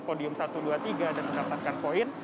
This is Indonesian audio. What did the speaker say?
podium satu dua tiga dan mendapatkan poin